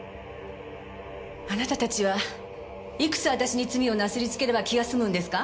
あなたたちはいくつ私に罪をなすりつければ気が済むんですか！？